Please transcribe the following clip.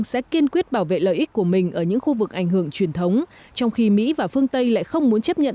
sẽ kiên quyết bảo vệ lợi ích của mình ở những khu vực ảnh hưởng truyền thống trong khi mỹ và phương tây lại không muốn chấp nhận